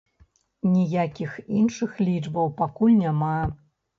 Ніякіх іншых лічбаў пакуль няма.